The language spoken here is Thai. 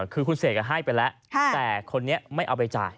คือคุณเสกให้ไปแล้วแต่คนนี้ไม่เอาไปจ่าย